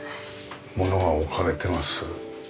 物が置かれてます。